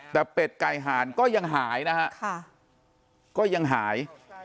แต่เป็ดไก่หานก็ยังหายนะฮะก็ยังหาย